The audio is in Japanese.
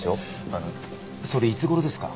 あのそれいつ頃ですか？